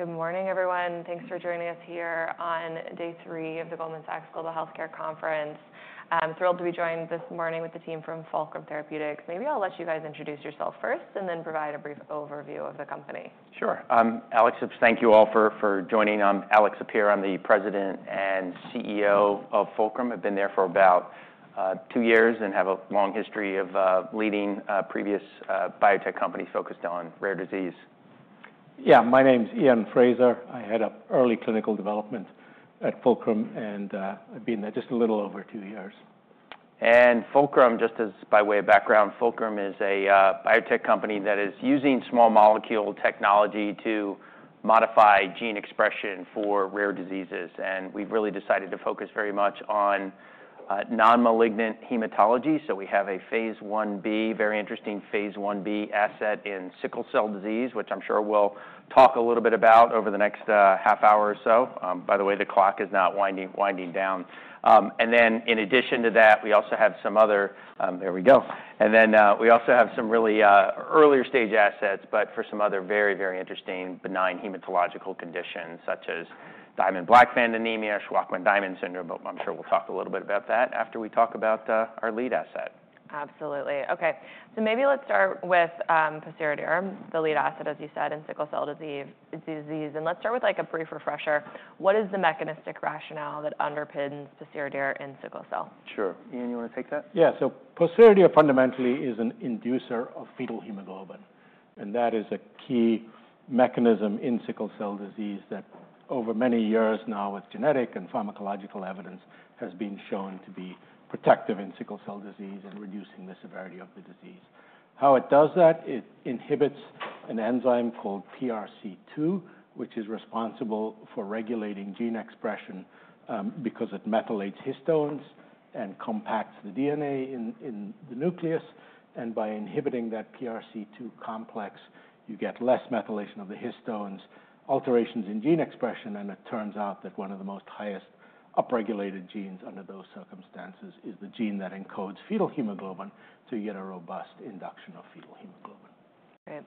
Good morning, everyone. Thanks for joining us here on day three of the Goldman Sachs Global Healthcare Conference. I'm thrilled to be joined this morning with the team from Fulcrum Therapeutics. Maybe I'll let you guys introduce yourselves first and then provide a brief overview of the company. Sure. Alex, thank you all for joining. I'm Alex Sapir. I'm the President and CEO of Fulcrum. I've been there for about two years and have a long history of leading previous biotech companies focused on rare disease. Yeah, my name's Iain Fraser. I head up early clinical development at Fulcrum, and I've been there just a little over two years. Fulcrum, just as by way of background, Fulcrum is a biotech company that is using small molecule technology to modify gene expression for rare diseases. We have really decided to focus very much on non-malignant hematology. We have a phase IB, very interesting Phase 1b asset in sickle cell disease, which I'm sure we'll talk a little bit about over the next half hour or so. By the way, the clock is not winding down. In addition to that, we also have some other, there we go. We also have some really earlier stage assets, but for some other very, very interesting benign hematological conditions, such as Diamond-Blackfan anemia or Shwachman-Diamond syndrome. I'm sure we'll talk a little bit about that after we talk about our lead asset. Absolutely. OK, so maybe let's start with Pociredir, the lead asset, as you said, in sickle cell disease. And let's start with a brief refresher. What is the mechanistic rationale that underpins Pociredir in sickle cell? Sure. Iain, you want to take that? Yeah. So Pociredir fundamentally is an inducer of fetal hemoglobin. That is a key mechanism in sickle cell disease that, over many years now, with genetic and pharmacological evidence, has been shown to be protective in sickle cell disease and reducing the severity of the disease. How it does that? It inhibits an enzyme called PRC2, which is responsible for regulating gene expression because it methylates histones and compacts the DNA in the nucleus. By inhibiting that PRC2 complex, you get less methylation of the histones, alterations in gene expression, and it turns out that one of the most highly upregulated genes under those circumstances is the gene that encodes fetal hemoglobin. You get a robust induction of fetal hemoglobin. Great.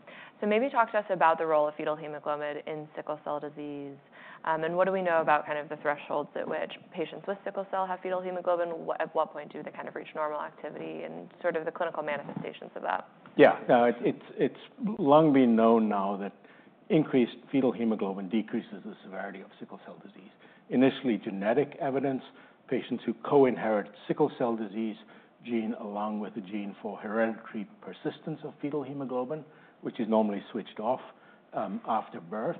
Maybe talk to us about the role of fetal hemoglobin in sickle cell disease. What do we know about kind of the thresholds at which patients with sickle cell have fetal hemoglobin? At what point do they kind of reach normal activity? Sort of the clinical manifestations of that. Yeah, now it's long been known now that increased fetal hemoglobin decreases the severity of sickle cell disease. Initially, genetic evidence, patients who co-inherit sickle cell disease gene along with the gene for hereditary persistence of fetal hemoglobin, which is normally switched off after birth,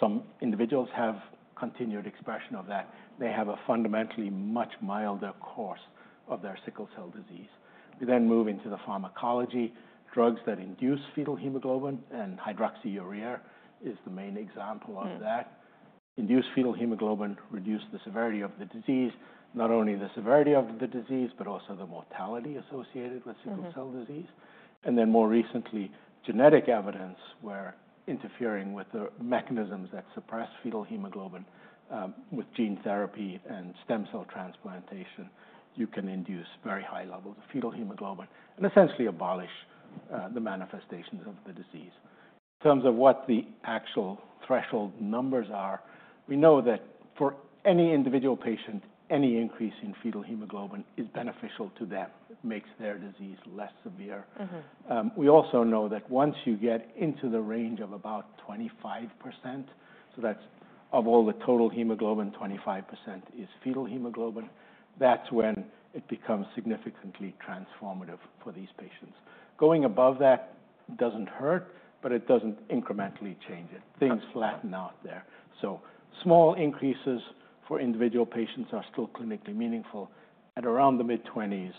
some individuals have continued expression of that. They have a fundamentally much milder course of their sickle cell disease. We then move into the pharmacology. Drugs that induce fetal hemoglobin, and hydroxyurea is the main example of that, induce fetal hemoglobin, reduce the severity of the disease, not only the severity of the disease, but also the mortality associated with sickle cell disease. More recently, genetic evidence where interfering with the mechanisms that suppress fetal hemoglobin with gene therapy and stem cell transplantation, you can induce very high levels of fetal hemoglobin and essentially abolish the manifestations of the disease. In terms of what the actual threshold numbers are, we know that for any individual patient, any increase in fetal hemoglobin is beneficial to them. It makes their disease less severe. We also know that once you get into the range of about 25%, so that's of all the total hemoglobin, 25% is fetal hemoglobin. That's when it becomes significantly transformative for these patients. Going above that doesn't hurt, but it doesn't incrementally change it. Things flatten out there. Small increases for individual patients are still clinically meaningful at around the mid-20s,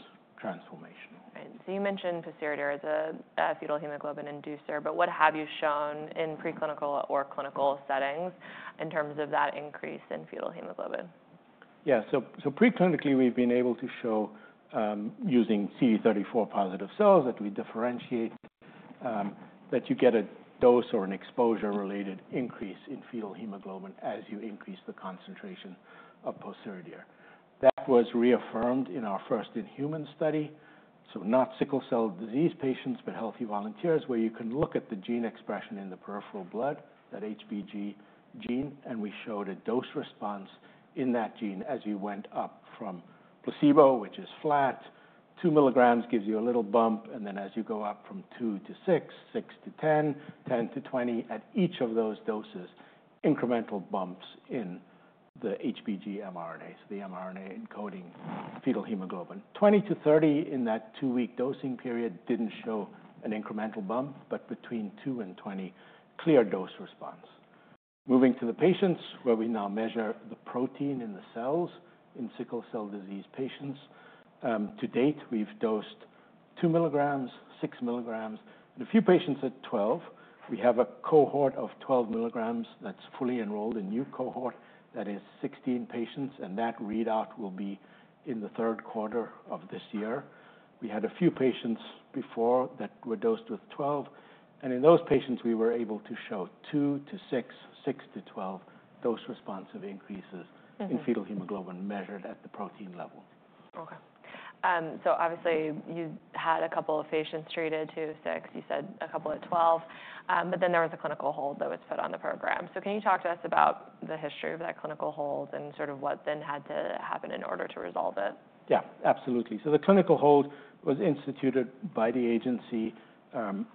transformational. Great. You mentioned Pociredir as a fetal hemoglobin inducer, but what have you shown in preclinical or clinical settings in terms of that increase in fetal hemoglobin? Yeah, so preclinically, we've been able to show using CD34 positive cells that we differentiate that you get a dose or an exposure-related increase in fetal hemoglobin as you increase the concentration of Pociredir. That was reaffirmed in our first in-human study, so not sickle cell disease patients, but healthy volunteers, where you can look at the gene expression in the peripheral blood, that HBG gene, and we showed a dose response in that gene as you went up from placebo, which is flat. Two milligrams gives you a little bump. And then as you go up from two to six, six to ten, ten to twenty, at each of those doses, incremental bumps in the HBG mRNA, so the mRNA encoding fetal hemoglobin. Twenty to thirty in that two-week dosing period did not show an incremental bump, but between two and twenty, clear dose response. Moving to the patients where we now measure the protein in the cells in sickle cell disease patients. To date, we've dosed two milligrams, six milligrams, and a few patients at 12. We have a cohort of 12 mg that's fully enrolled, a new cohort. That is 16 patients, and that readout will be in the third quarter of this year. We had a few patients before that were dosed with 12. In those patients, we were able to show two-six, six-12 dose responsive increases in fetal hemoglobin measured at the protein level. OK. So obviously, you had a couple of patients treated, two, six, you said a couple at 12, but then there was a clinical hold that was put on the program. Can you talk to us about the history of that clinical hold and sort of what then had to happen in order to resolve it? Yeah, absolutely. The clinical hold was instituted by the agency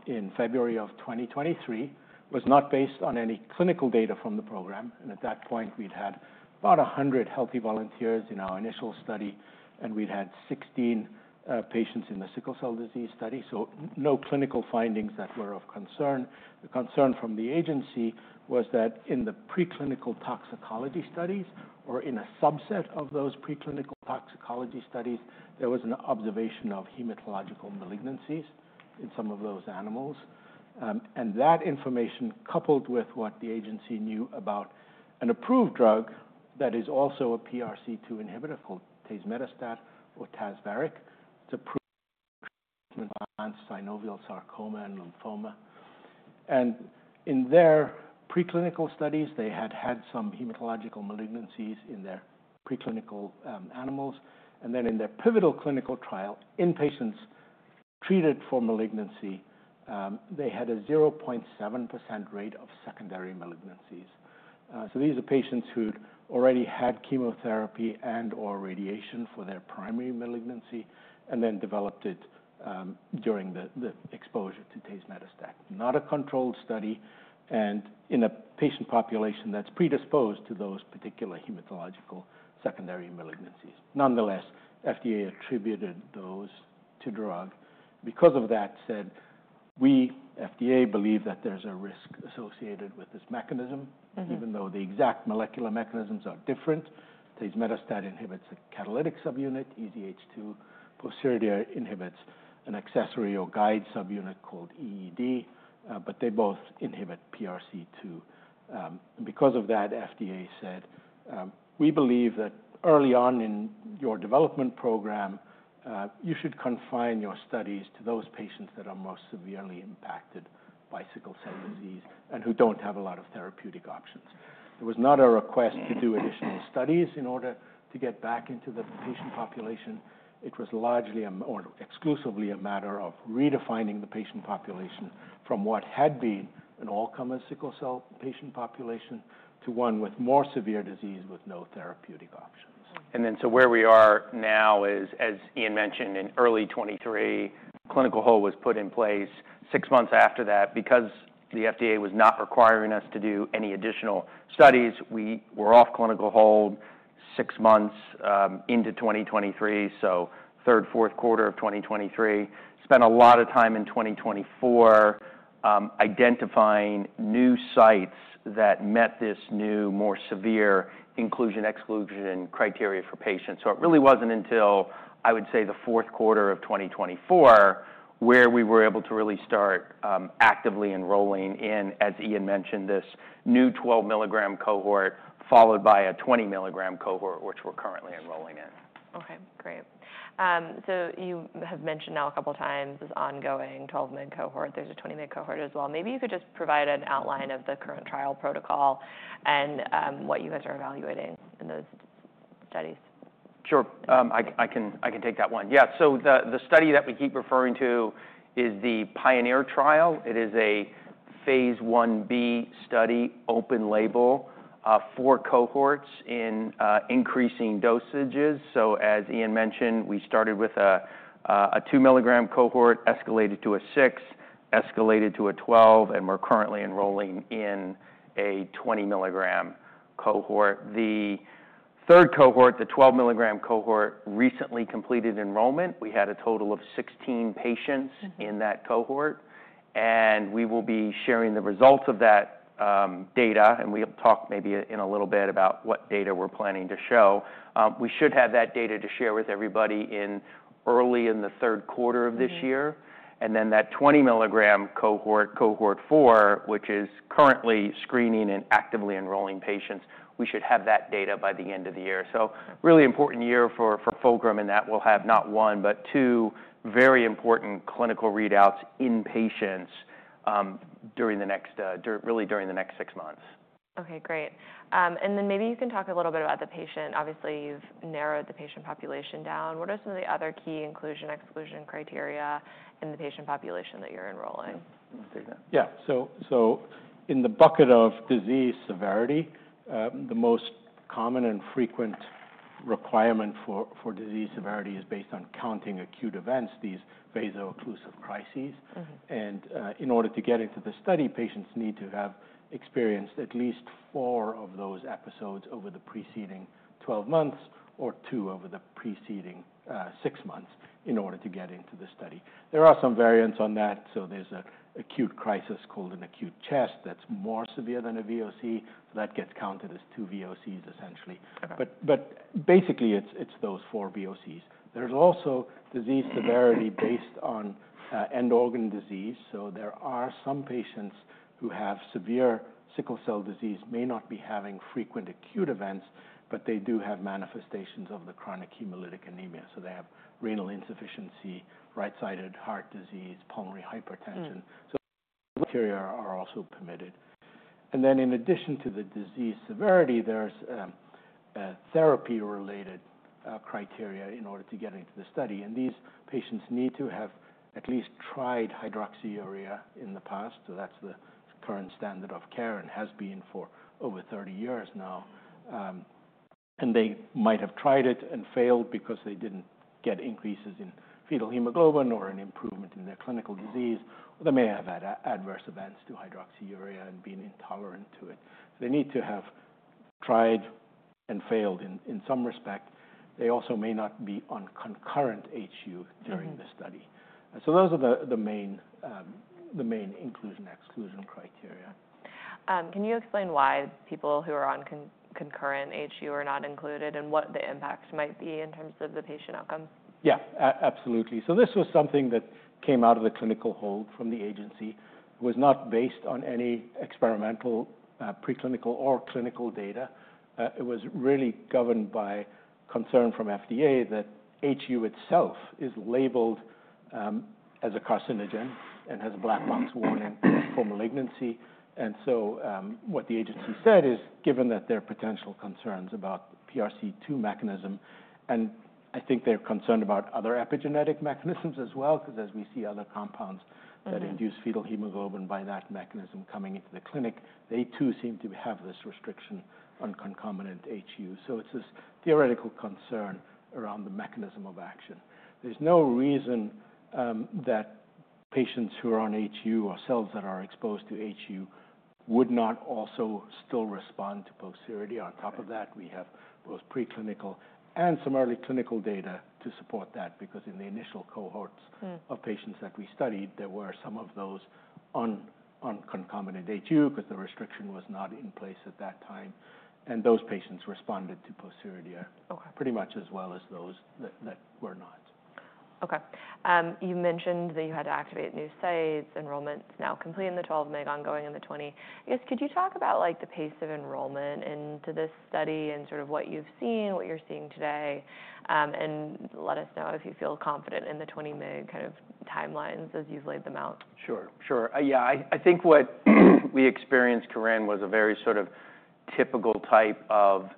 in February of 2023. It was not based on any clinical data from the program. At that point, we'd had about 100 healthy volunteers in our initial study, and we'd had 16 patients in the sickle cell disease study, so no clinical findings that were of concern. The concern from the agency was that in the preclinical toxicology studies, or in a subset of those preclinical toxicology studies, there was an observation of hematological malignancies in some of those animals. That information, coupled with what the agency knew about an approved drug that is also a PRC2 inhibitor called tazemetostat or Tazverik, to improve the treatment of synovial sarcoma and lymphoma. In their preclinical studies, they had had some hematological malignancies in their preclinical animals. In their pivotal clinical trial, in patients treated for malignancy, they had a 0.7% rate of secondary malignancies. These are patients who had already had chemotherapy and/or radiation for their primary malignancy and then developed it during the exposure to tazemetostat. Not a controlled study and in a patient population that's predisposed to those particular hematological secondary malignancies. Nonetheless, FDA attributed those to drug. Because of that, FDA said, we believe that there's a risk associated with this mechanism, even though the exact molecular mechanisms are different. Tazemetostat inhibits the catalytic subunit, EZH2. Pociredir inhibits an accessory or guide subunit called EED, but they both inhibit PRC2. Because of that, FDA said, we believe that early on in your development program, you should confine your studies to those patients that are most severely impacted by sickle cell disease and who do not have a lot of therapeutic options. There was not a request to do additional studies in order to get back into the patient population. It was largely or exclusively a matter of redefining the patient population from what had been an all-common sickle cell patient population to one with more severe disease with no therapeutic options. Where we are now is, as Iain mentioned, in early 2023, clinical hold was put in place. Six months after that, because the FDA was not requiring us to do any additional studies, we were off clinical hold six months into 2023, so third, fourth quarter of 2023. Spent a lot of time in 2024 identifying new sites that met this new, more severe inclusion-exclusion criteria for patients. It really was not until, I would say, the fourth quarter of 2024 where we were able to really start actively enrolling in, as Iain mentioned, this new 12 mg cohort followed by a 20 mg cohort, which we are currently enrolling in. OK, great. You have mentioned now a couple of times this ongoing 12-mig cohort. There is a 20-mg cohort as well. Maybe you could just provide an outline of the current trial protocol and what you guys are evaluating in those studies. Sure. I can take that one. Yeah, so the study that we keep referring to is the PIONEER trial. It is a Phase 1b study, open label, four cohorts in increasing dosages. As Iain mentioned, we started with a two milligram cohort, escalated to a six, escalated to a 12, and we are currently enrolling in a 20 mg cohort. The third cohort, the 12 mg cohort, recently completed enrollment. We had a total of 16 patients in that cohort. We will be sharing the results of that data, and we will talk maybe in a little bit about what data we are planning to show. We should have that data to share with everybody early in the third quarter of this year. That 20 mg cohort, cohort four, which is currently screening and actively enrolling patients, we should have that data by the end of the year. Really important year for Fulcrum in that we'll have not one, but two very important clinical readouts in patients really during the next six months. OK, great. Maybe you can talk a little bit about the patient. Obviously, you've narrowed the patient population down. What are some of the other key inclusion-exclusion criteria in the patient population that you're enrolling? Yeah, so in the bucket of disease severity, the most common and frequent requirement for disease severity is based on counting acute events, these vaso-occlusive crises. In order to get into the study, patients need to have experienced at least four of those episodes over the preceding 12 months or two over the preceding six months in order to get into the study. There are some variants on that. There is an acute crisis called an acute chest that is more severe than a VOC. That gets counted as two VOCs, essentially. Basically, it is those four VOCs. There is also disease severity based on end-organ disease. There are some patients who have severe sickle cell disease who may not be having frequent acute events, but they do have manifestations of the chronic hemolytic anemia. They have renal insufficiency, right-sided heart disease, pulmonary hypertension. Criteria are also permitted. In addition to the disease severity, there is therapy-related criteria in order to get into the study. These patients need to have at least tried hydroxyurea in the past. That is the current standard of care and has been for over 30 years now. They might have tried it and failed because they did not get increases in fetal hemoglobin or an improvement in their clinical disease. Or they may have had adverse events to hydroxyurea and been intolerant to it. They need to have tried and failed in some respect. They also may not be on concurrent HU during the study. Those are the main inclusion-exclusion criteria. Can you explain why people who are on concurrent HU are not included and what the impact might be in terms of the patient outcomes? Yeah, absolutely. This was something that came out of the clinical hold from the agency. It was not based on any experimental, preclinical, or clinical data. It was really governed by concern from FDA that HU itself is labeled as a carcinogen and has a black box warning for malignancy. What the agency said is, given that there are potential concerns about the PRC2 mechanism, and I think they're concerned about other epigenetic mechanisms as well, because as we see other compounds that induce fetal hemoglobin by that mechanism coming into the clinic, they too seem to have this restriction on concomitant HU. It is this theoretical concern around the mechanism of action. There is no reason that patients who are on HU or cells that are exposed to HU would not also still respond to Pociredir. On top of that, we have both preclinical and some early clinical data to support that, because in the initial cohorts of patients that we studied, there were some of those on concomitant HU because the restriction was not in place at that time. Those patients responded to Pociredir pretty much as well as those that were not. OK. You mentioned that you had to activate new sites, enrollment is now complete in the 12-minute, ongoing in the 20. I guess, could you talk about the pace of enrollment into this study and sort of what you've seen, what you're seeing today, and let us know if you feel confident in the 20-minute kind of timelines as you've laid them out? Sure, sure. Yeah, I think what we experienced, Corinne, was a very sort of typical type of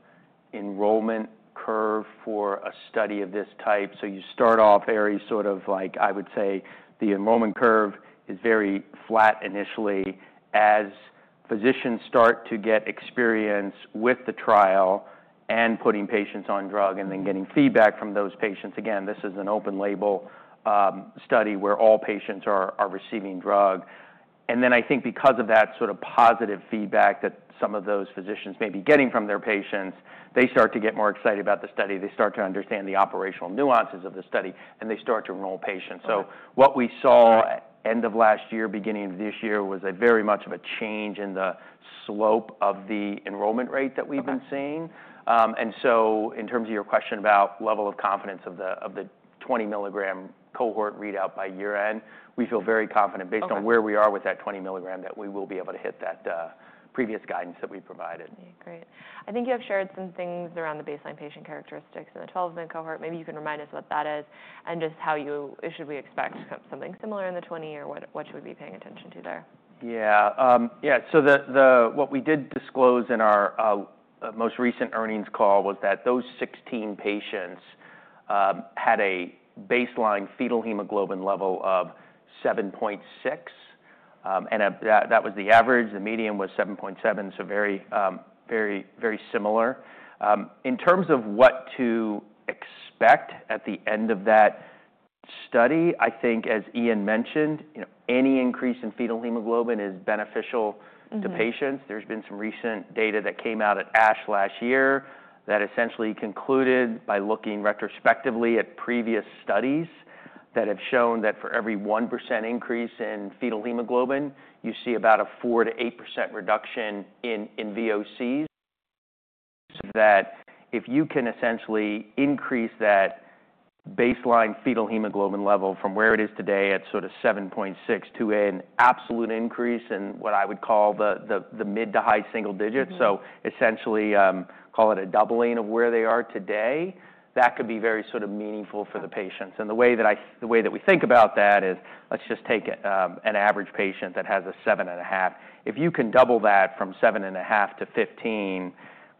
enrollment curve for a study of this type. You start off very sort of like, I would say the enrollment curve is very flat initially as physicians start to get experience with the trial and putting patients on drug and then getting feedback from those patients. Again, this is an open label study where all patients are receiving drug. I think because of that sort of positive feedback that some of those physicians may be getting from their patients, they start to get more excited about the study. They start to understand the operational nuances of the study, and they start to enroll patients. What we saw end of last year, beginning of this year, was very much of a change in the slope of the enrollment rate that we've been seeing. In terms of your question about level of confidence of the 20 mg cohort readout by year end, we feel very confident based on where we are with that 20 mg that we will be able to hit that previous guidance that we provided. Great. I think you have shared some things around the baseline patient characteristics in the 12-minute cohort. Maybe you can remind us what that is and just how should we expect something similar in the 20, or what should we be paying attention to there? Yeah, yeah. What we did disclose in our most recent earnings call was that those 16 patients had a baseline fetal hemoglobin level of 7.6. That was the average. The median was 7.7, so very, very similar. In terms of what to expect at the end of that study, I think, as Iain mentioned, any increase in fetal hemoglobin is beneficial to patients. There has been some recent data that came out at ASH last year that essentially concluded by looking retrospectively at previous studies that have shown that for every 1% increase in fetal hemoglobin, you see about a 4%-8% reduction in VOCs. If you can essentially increase that baseline fetal hemoglobin level from where it is today at sort of 7.6 to an absolute increase in what I would call the mid to high single digits, so essentially call it a doubling of where they are today, that could be very sort of meaningful for the patients. The way that we think about that is, let's just take an average patient that has a 7.5. If you can double that from 7.5-15,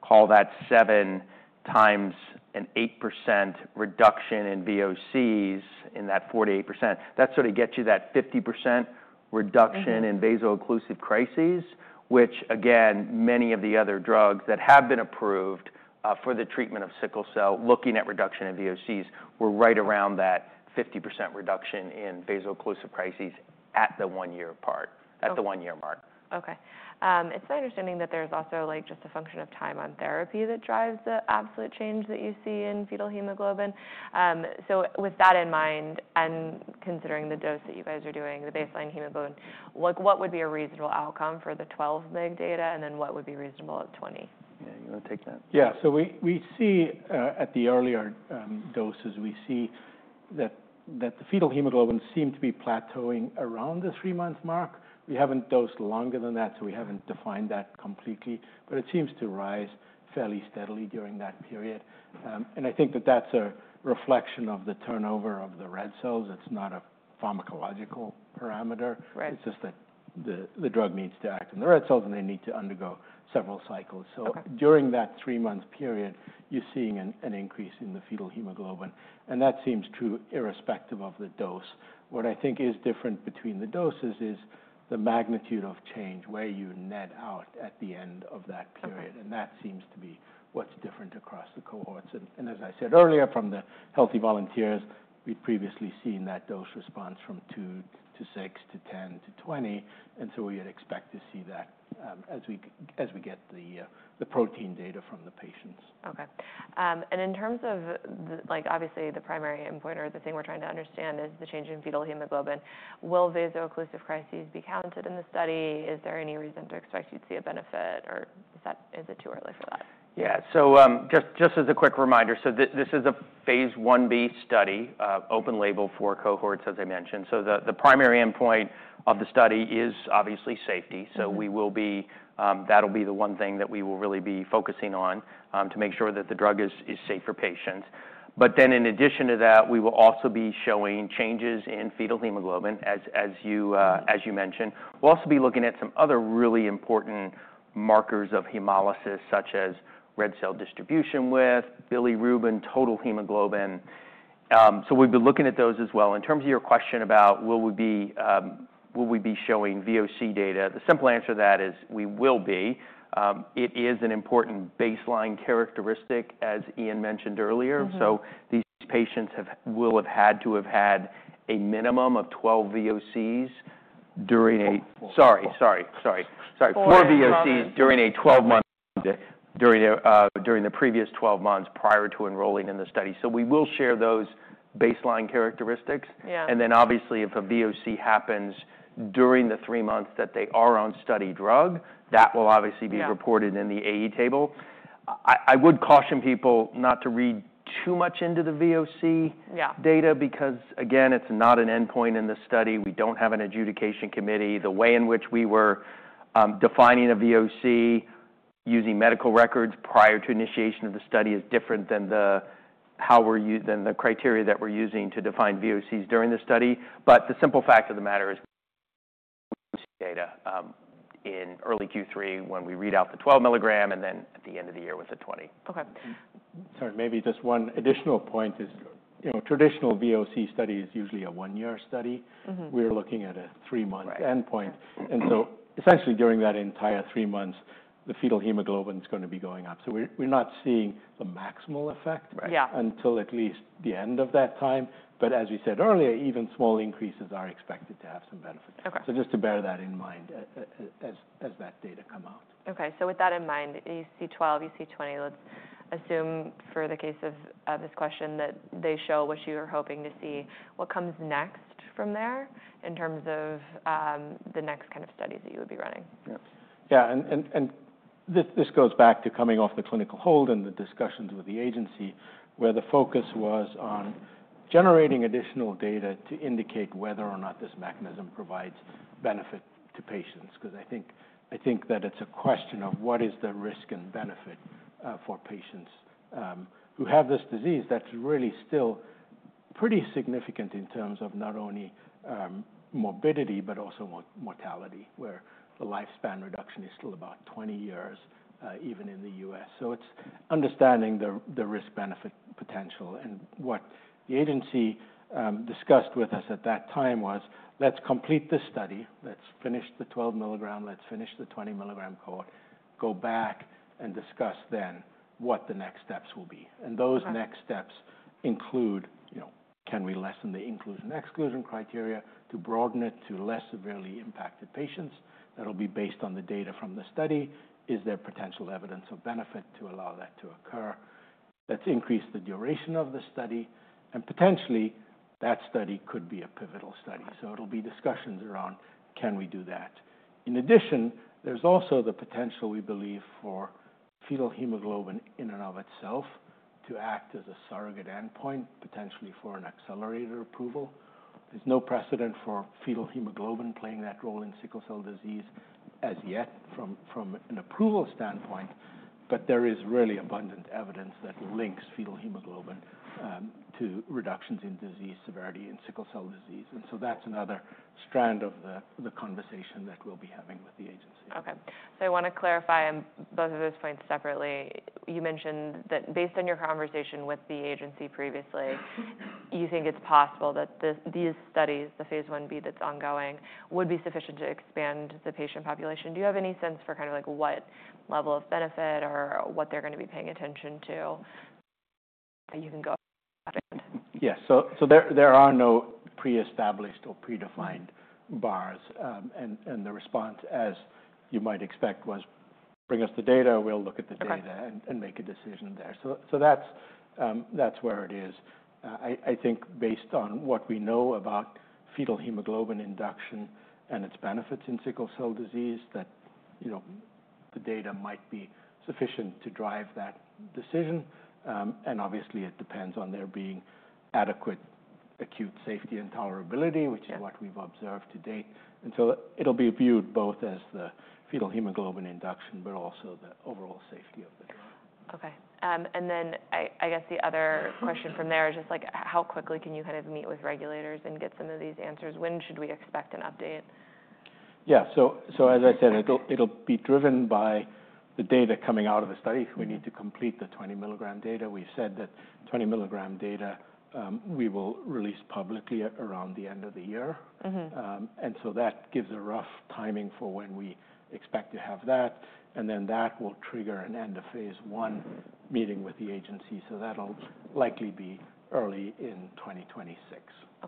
call that seven times an 8% reduction in VOCs in that 48%, that sort of gets you that 50% reduction in vaso-occlusive crises, which, again, many of the other drugs that have been approved for the treatment of sickle cell looking at reduction in VOCs were right around that 50% reduction in vaso-occlusive crises at the one-year part, at the one-year mark. OK. It's my understanding that there's also just a function of time on therapy that drives the absolute change that you see in fetal hemoglobin. With that in mind and considering the dose that you guys are doing, the baseline hemoglobin, what would be a reasonable outcome for the 12-minute data? What would be reasonable at 20? Yeah, you want to take that? Yeah, so we see at the earlier doses, we see that the fetal hemoglobin seemed to be plateauing around the three-month mark. We have not dosed longer than that, so we have not defined that completely. It seems to rise fairly steadily during that period. I think that that is a reflection of the turnover of the red cells. It is not a pharmacological parameter. It is just that the drug needs to act on the red cells, and they need to undergo several cycles. During that three-month period, you are seeing an increase in the fetal hemoglobin. That seems true irrespective of the dose. What I think is different between the doses is the magnitude of change where you net out at the end of that period. That seems to be what is different across the cohorts. As I said earlier, from the healthy volunteers, we'd previously seen that dose response from two to six to 10 to 20. We would expect to see that as we get the protein data from the patients. OK. In terms of, obviously, the primary endpoint or the thing we're trying to understand is the change in fetal hemoglobin, will vaso-occlusive crises be counted in the study? Is there any reason to expect you'd see a benefit, or is it too early for that? Yeah, so just as a quick reminder, this is a Phase 1b study, open label, four cohorts, as I mentioned. The primary endpoint of the study is obviously safety. That will be the one thing that we will really be focusing on to make sure that the drug is safe for patients. In addition to that, we will also be showing changes in fetal hemoglobin, as you mentioned. We will also be looking at some other really important markers of hemolysis, such as red cell distribution width, bilirubin, total hemoglobin. We have been looking at those as well. In terms of your question about will we be showing VOC data, the simple answer to that is we will be. It is an important baseline characteristic, as Iain mentioned earlier. These patients will have had to have had a minimum of four VOCs during the previous 12 months prior to enrolling in the study. We will share those baseline characteristics. Obviously, if a VOC happens during the three months that they are on study drug, that will obviously be reported in the AE table. I would caution people not to read too much into the VOC data, because again, it's not an endpoint in the study. We don't have an adjudication committee. The way in which we were defining a VOC using medical records prior to initiation of the study is different than the criteria that we're using to define VOCs during the study. The simple fact of the matter is VOC data in early Q3 when we read out the 12 mg, and then at the end of the year with the 20. Sorry, maybe just one additional point is traditional VOC study is usually a one-year study. We're looking at a three-month endpoint. Essentially during that entire three months, the fetal hemoglobin is going to be going up. We're not seeing a maximal effect until at least the end of that time. As we said earlier, even small increases are expected to have some benefit. Just bear that in mind as that data come out. OK. So with that in mind, AC12, AC20, let's assume for the case of this question that they show what you are hoping to see. What comes next from there in terms of the next kind of studies that you would be running? Yeah, yeah. This goes back to coming off the clinical hold and the discussions with the agency, where the focus was on generating additional data to indicate whether or not this mechanism provides benefit to patients. I think that it's a question of what is the risk and benefit for patients who have this disease that's really still pretty significant in terms of not only morbidity, but also mortality, where the lifespan reduction is still about 20 years, even in the U.S. It's understanding the risk-benefit potential. What the agency discussed with us at that time was, let's complete this study. Let's finish the 12 mg. Let's finish the 20 mg cohort. Go back and discuss then what the next steps will be. Those next steps include, can we lessen the inclusion-exclusion criteria to broaden it to less severely impacted patients? That'll be based on the data from the study. Is there potential evidence of benefit to allow that to occur? Let's increase the duration of the study. Potentially, that study could be a pivotal study. It will be discussions around, can we do that? In addition, there's also the potential, we believe, for fetal hemoglobin in and of itself to act as a surrogate endpoint, potentially for an accelerated approval. There's no precedent for fetal hemoglobin playing that role in sickle cell disease as yet from an approval standpoint. There is really abundant evidence that links fetal hemoglobin to reductions in disease severity in sickle cell disease. That is another strand of the conversation that we'll be having with the agency. OK. I want to clarify both of those points separately. You mentioned that based on your conversation with the agency previously, you think it's possible that these studies, the Phase 1b that's ongoing, would be sufficient to expand the patient population. Do you have any sense for kind of what level of benefit or what they're going to be paying attention to that you can go out and? Yeah, there are no pre-established or predefined bars. The response, as you might expect, was bring us the data. We'll look at the data and make a decision there. That's where it is. I think based on what we know about fetal hemoglobin induction and its benefits in sickle cell disease, the data might be sufficient to drive that decision. Obviously, it depends on there being adequate acute safety and tolerability, which is what we've observed to date. It'll be viewed both as the fetal hemoglobin induction, but also the overall safety of the drug. OK. I guess the other question from there is just how quickly can you kind of meet with regulators and get some of these answers? When should we expect an update? Yeah, so as I said, it'll be driven by the data coming out of the study. We need to complete the 20 mg data. We've said that 20 mg data we will release publicly around the end of the year. That gives a rough timing for when we expect to have that. That will trigger an end of phase I meeting with the agency. That'll likely be early in 2026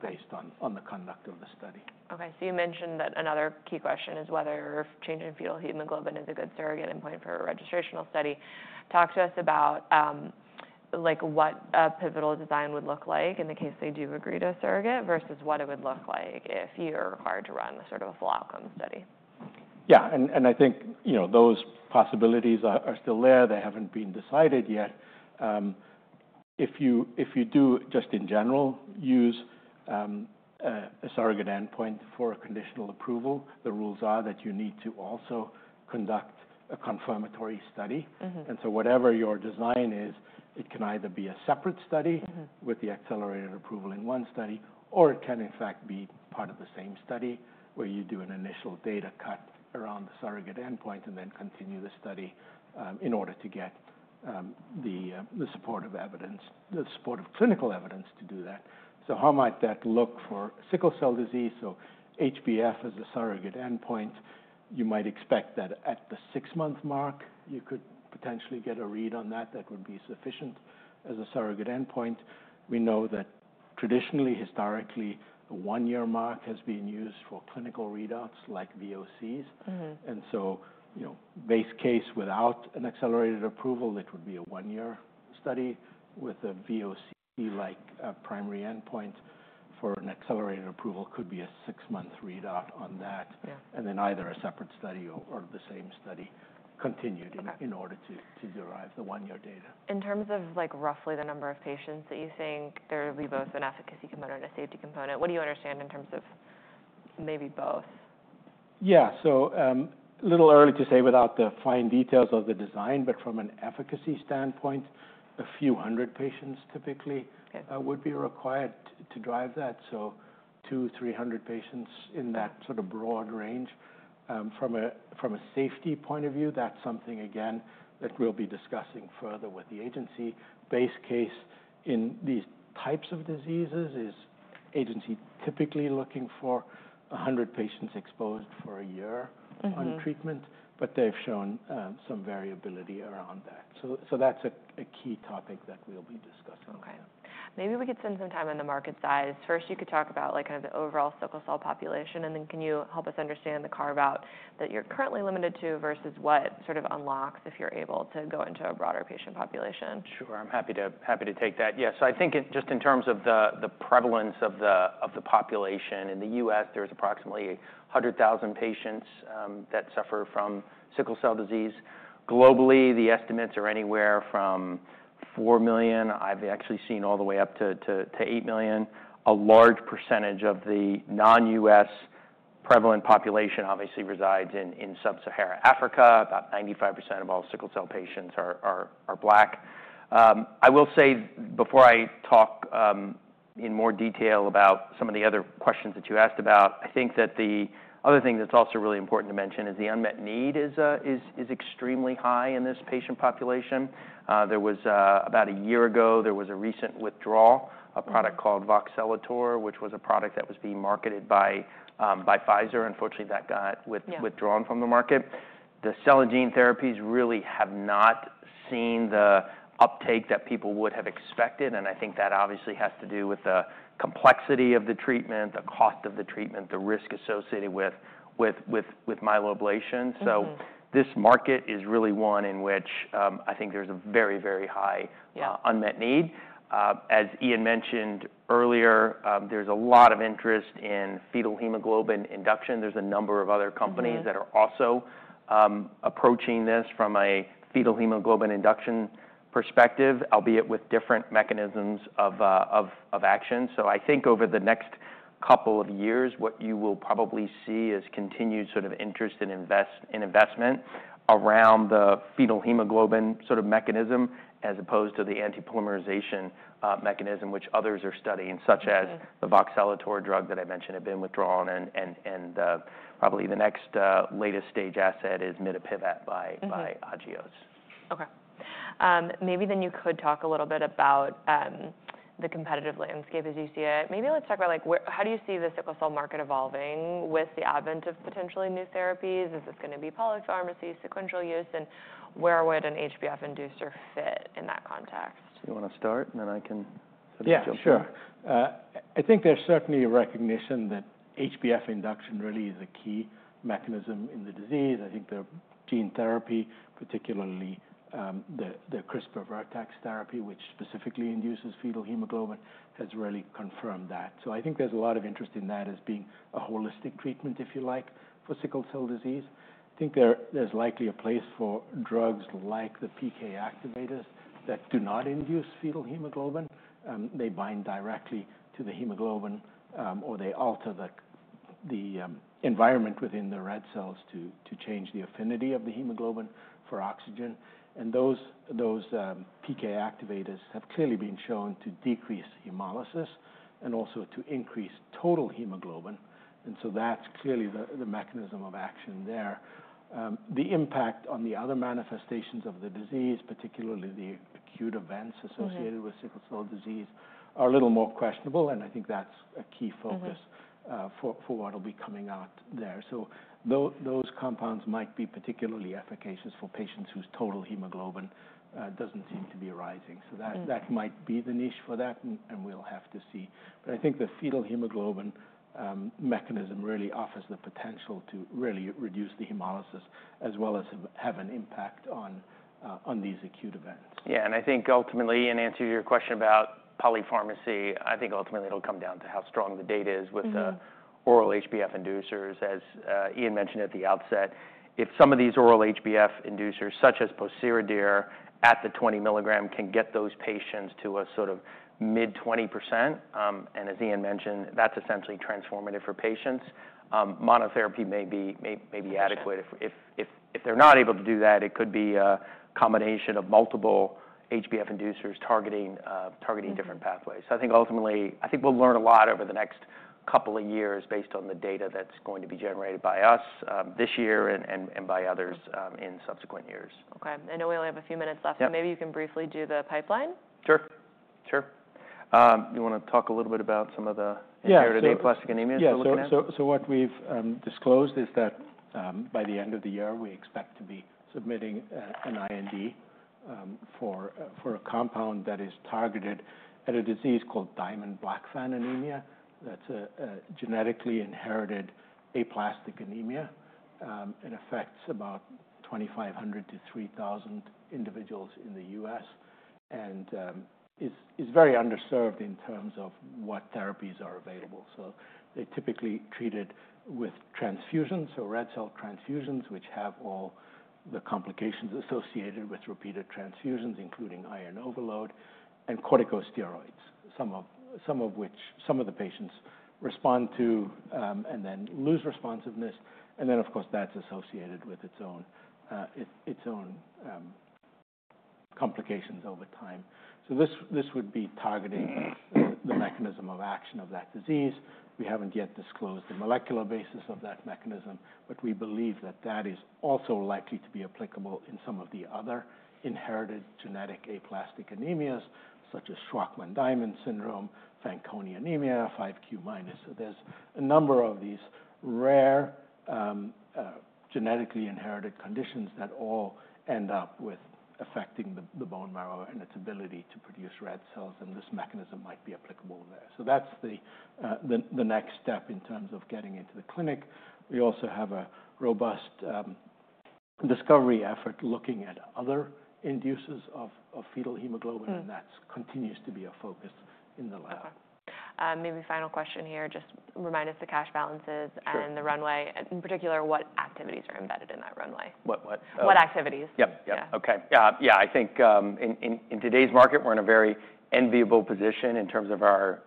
based on the conduct of the study. OK. You mentioned that another key question is whether change in fetal hemoglobin is a good surrogate endpoint for a registrational study. Talk to us about what a pivotal design would look like in the case they do agree to a surrogate versus what it would look like if you're required to run sort of a full outcome study. Yeah, and I think those possibilities are still there. They haven't been decided yet. If you do, just in general, use a surrogate endpoint for a conditional approval, the rules are that you need to also conduct a confirmatory study. Whatever your design is, it can either be a separate study with the accelerated approval in one study, or it can in fact be part of the same study where you do an initial data cut around the surrogate endpoint and then continue the study in order to get the supportive clinical evidence to do that. How might that look for sickle cell disease? HBF as a surrogate endpoint, you might expect that at the six-month mark, you could potentially get a read on that. That would be sufficient as a surrogate endpoint. We know that traditionally, historically, a one-year mark has been used for clinical readouts like VOCs. Base case without an accelerated approval, it would be a one-year study with a VOC-like primary endpoint. For an accelerated approval, it could be a six-month readout on that. Either a separate study or the same study continued in order to derive the one-year data. In terms of roughly the number of patients that you think there would be both an efficacy component and a safety component, what do you understand in terms of maybe both? Yeah, so a little early to say without the fine details of the design. From an efficacy standpoint, a few hundred patients typically would be required to drive that. So 200-300 patients in that sort of broad range. From a safety point of view, that's something, again, that we'll be discussing further with the agency. Base case in these types of diseases is agency typically looking for 100 patients exposed for a year on treatment. They've shown some variability around that. That's a key topic that we'll be discussing. OK. Maybe we could spend some time on the market size. First, you could talk about kind of the overall sickle cell population. Can you help us understand the carve-out that you're currently limited to versus what sort of unlocks if you're able to go into a broader patient population? Sure, I'm happy to take that. Yeah, so I think just in terms of the prevalence of the population, in the U.S., there's approximately 100,000 patients that suffer from sickle cell disease. Globally, the estimates are anywhere from four million. I've actually seen all the way up to eight million. A large percentage of the non-U.S. prevalent population obviously resides in sub-Saharan Africa. About 95% of all sickle cell patients are Black. I will say before I talk in more detail about some of the other questions that you asked about, I think that the other thing that's also really important to mention is the unmet need is extremely high in this patient population. About a year ago, there was a recent withdrawal of a product called Voxelotor, which was a product that was being marketed by Pfizer. Unfortunately, that got withdrawn from the market. The SelG1 therapies really have not seen the uptake that people would have expected. I think that obviously has to do with the complexity of the treatment, the cost of the treatment, the risk associated with myeloablation. This market is really one in which I think there's a very, very high unmet need. As Iain mentioned earlier, there's a lot of interest in fetal hemoglobin induction. There's a number of other companies that are also approaching this from a fetal hemoglobin induction perspective, albeit with different mechanisms of action. I think over the next couple of years, what you will probably see is continued sort of interest in investment around the fetal hemoglobin sort of mechanism as opposed to the anti-polymerization mechanism, which others are studying, such as the Voxelotor drug that I mentioned had been withdrawn. Probably the next latest stage asset is mitapivat by Agios. OK. Maybe then you could talk a little bit about the competitive landscape as you see it. Maybe let's talk about how do you see the sickle cell market evolving with the advent of potentially new therapies? Is this going to be polypharmacy, sequential use? And where would an HBF inducer fit in that context? Do you want to start? I can sort of jump in. Yeah, sure. I think there's certainly a recognition that HBF induction really is a key mechanism in the disease. I think the gene therapy, particularly the CRISPR/Vertex therapy, which specifically induces fetal hemoglobin, has really confirmed that. I think there's a lot of interest in that as being a holistic treatment, if you like, for sickle cell disease. I think there's likely a place for drugs like the PK activators that do not induce fetal hemoglobin. They bind directly to the hemoglobin, or they alter the environment within the red cells to change the affinity of the hemoglobin for oxygen. Those PK activators have clearly been shown to decrease hemolysis and also to increase total hemoglobin. That's clearly the mechanism of action there. The impact on the other manifestations of the disease, particularly the acute events associated with sickle cell disease, are a little more questionable. I think that's a key focus for what will be coming out there. Those compounds might be particularly efficacious for patients whose total hemoglobin does not seem to be rising. That might be the niche for that. We will have to see. I think the fetal hemoglobin mechanism really offers the potential to really reduce the hemolysis as well as have an impact on these acute events. Yeah. I think ultimately, Iain answered your question about polypharmacy. I think ultimately it will come down to how strong the data is with the oral HBF inducers. As Iain mentioned at the outset, if some of these oral HBF inducers, such as Pociredir at the 20 milligram, can get those patients to a sort of mid 20%, and as Iain mentioned, that's essentially transformative for patients, monotherapy may be adequate. If they're not able to do that, it could be a combination of multiple HBF inducers targeting different pathways. I think ultimately, I think we'll learn a lot over the next couple of years based on the data that's going to be generated by us this year and by others in subsequent years. OK. I know we only have a few minutes left. So maybe you can briefly do the pipeline? Sure, sure. You want to talk a little bit about some of the inherited aplastic anemia you're looking at? Yeah, so what we've disclosed is that by the end of the year, we expect to be submitting an IND for a compound that is targeted at a disease called Diamond-Blackfan anemia. That's a genetically inherited aplastic anemia. It affects about 2,500-3,000 individuals in the U.S. and is very underserved in terms of what therapies are available. They're typically treated with transfusions, so red cell transfusions, which have all the complications associated with repeated transfusions, including iron overload and corticosteroids, some of which some of the patients respond to and then lose responsiveness. Of course, that's associated with its own complications over time. This would be targeting the mechanism of action of that disease. We haven't yet disclosed the molecular basis of that mechanism. We believe that that is also likely to be applicable in some of the other inherited genetic aplastic anemias, such as Shwachman-Diamond syndrome, Fanconi anemia, 5q minus. There are a number of these rare genetically inherited conditions that all end up with affecting the bone marrow and its ability to produce red cells. This mechanism might be applicable there. That is the next step in terms of getting into the clinic. We also have a robust discovery effort looking at other inducers of fetal hemoglobin. That continues to be a focus in the lab. OK. Maybe final question here. Just remind us the cash balances and the runway. In particular, what activities are embedded in that runway? What? What activities? Yep, yep, OK. Yeah, I think in today's market, we're in a very enviable position in terms of our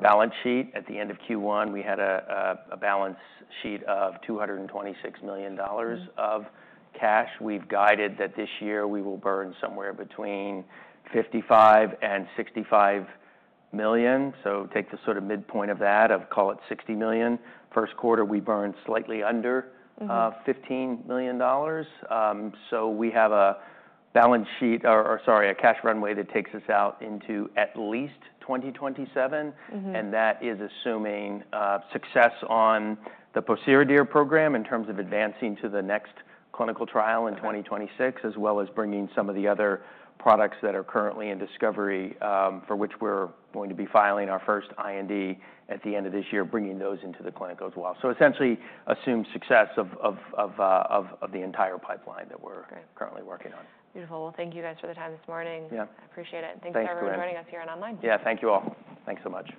balance sheet. At the end of Q1, we had a balance sheet of $226 million of cash. We've guided that this year we will burn somewhere between $55 million-$65 million. Take the sort of midpoint of that, call it $60 million. First quarter, we burned slightly under $15 million. We have a balance sheet, or sorry, a cash runway that takes us out into at least 2027. That is assuming success on the Pociredir program in terms of advancing to the next clinical trial in 2026, as well as bringing some of the other products that are currently in discovery for which we're going to be filing our first IND at the end of this year, bringing those into the clinic as well. Essentially assume success of the entire pipeline that we're currently working on. Beautiful. Thank you guys for the time this morning. I appreciate it. Thank you for joining us here on Online. Yeah, thank you all. Thanks so much.